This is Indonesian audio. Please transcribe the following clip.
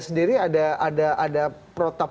sendiri ada protap